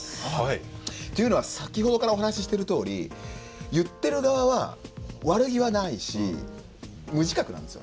というのは先ほどからお話ししているとおり言ってる側は悪気はないし無自覚なんですよ。